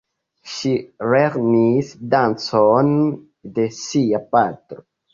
Ŝi lernis dancon de sia patro.